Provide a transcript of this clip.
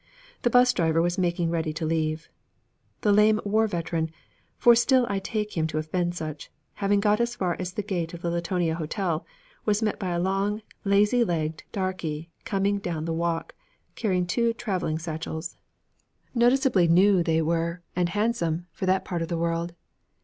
The 'bus driver was making ready to leave. The lame war veteran, for I still take him to have been such, having got as far as the gate of the Latonia Hotel, was met by a long, lazy legged darkey coming down the walk, carrying two traveling satchels. Noticeably new looking they were, and handsome, for that part of the world.